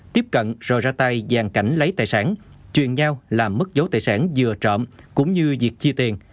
tiếp cận rồi ra tay dàn cảnh lấy tài sản chuyện nhau làm mất dấu tài sản vừa trộm cũng như diệt chi tiền